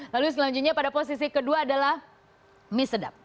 lalu selanjutnya pada posisi kedua adalah mie sedap